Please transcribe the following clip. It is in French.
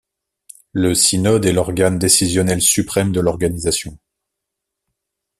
Le synode est l'organe décisionnel suprême de l'organisation.